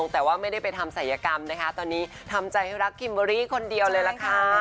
ทำใจให้รักกิมเบอร์รี่คนเดียวเลยล่ะค่ะ